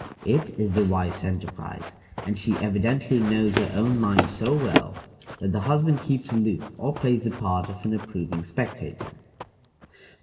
It is the wife's enterprise, and she evidently knows her own mind so well that the husband keeps aloof, or plays the part of an approving spectator.